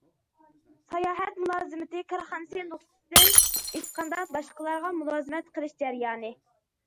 ساياھەت مۇلازىمىتى كارخانىسى نۇقتىسىدىن ئېيتقاندا، باشقىلارغا مۇلازىمەت قىلىش جەريانى.